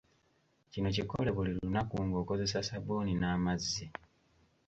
Kino kikole buli lunaku ng’okozesa ssabbuuni n’amazzi.